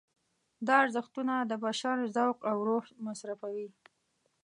دا ارزښتونه د بشر ذوق او روح مصرفوي.